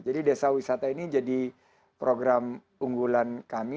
jadi desa wisata ini jadi program unggulan kami